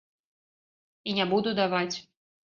І не буду даваць.